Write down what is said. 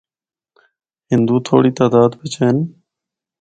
ہندو تھوڑی تعداد بچ ہن۔